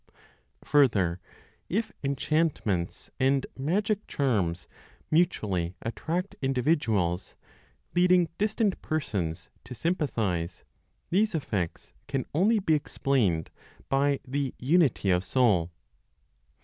Further, if enchantments and magic charms mutually attract individuals, leading distant persons to sympathize, these effects can only be explained by the unity of soul.